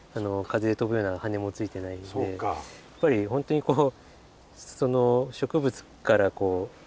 やっぱりホントにこう。